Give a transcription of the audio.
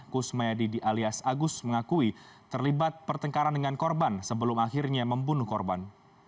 kusmayadi alias agus mengakui terlibat pertengkaran dengan korban sebelum akhirnya membunuh korban